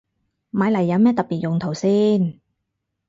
買嚟有咩特別用途先